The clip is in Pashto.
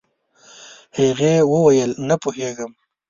هغې وويل نه پوهيږم.